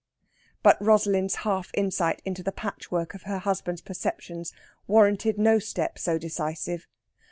But Rosalind's half insight into the patchwork of her husband's perceptions warranted no step so decisive.